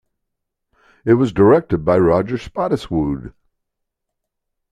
It was directed by Roger Spottiswoode.